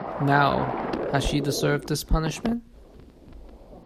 Now, has she deserved this punishment?